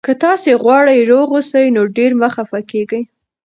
که تاسي غواړئ روغ اوسئ، نو ډېر مه خفه کېږئ.